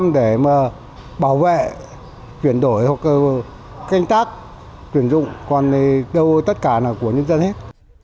để mà bảo vệ chuyển đổi hoặc canh tác tuyển dụng còn đâu tất cả là của nhân dân hết